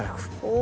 お。